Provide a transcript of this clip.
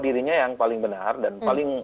dirinya yang paling benar dan paling